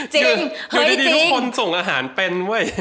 จริงทุกคนส่งอาหารเป็น